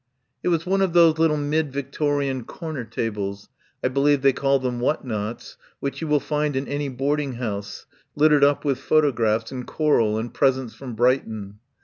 It was one of those little mid Victorian cor ner tables — I believe they call them "what nots" — which you will find in any boarding house, littered up with photographs and coral and "Presents from Brighton."